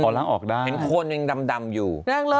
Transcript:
เห็นคนเป็นดำอยู่